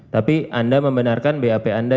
tapi anda membenarkan bap anda